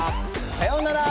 さようなら！